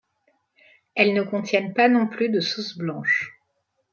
Elles ne contiennent pas non plus de sauce blanche.